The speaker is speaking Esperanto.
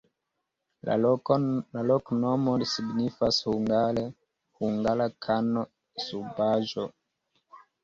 La loknomo signifas hungare: hungara-kano-subaĵo.